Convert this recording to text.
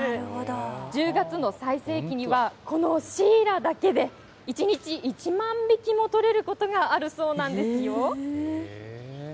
１０月の最盛期には、このシイラだけで、１日１万匹も取れることがあるそうなんですよ。